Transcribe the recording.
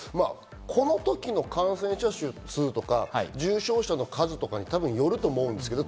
この時の感染者数とか重症者の数とかによると思うんですけどね。